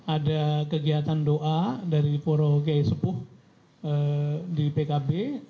ada kegiatan doa dari poro g sepuh di pkb